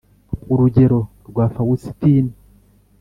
urugero rwa fawusitini